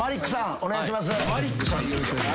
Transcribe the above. お願いします。